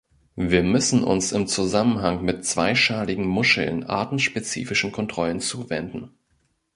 Wir müssen uns im Zusammenhang mit zweischaligen Muscheln artenspezifischen Kontrollen zuwenden.